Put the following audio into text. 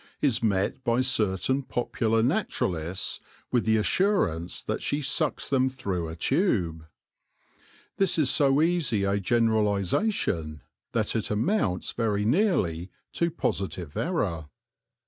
is met by certain popular naturalists with the assurance that she sucks them through a tube. This is so easy a generalisation that it amounts very nearly to positive error.